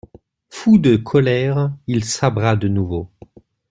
Fou de colère, il sabra de nouveau.